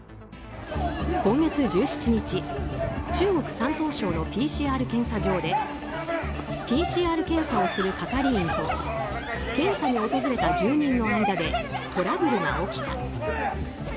今月１７日中国・山東省のＰＣＲ検査場でＰＣＲ検査をする係員と検査に訪れた住人の間でトラブルが起きた。